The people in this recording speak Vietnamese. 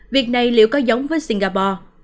việc này liệu có giống với singapore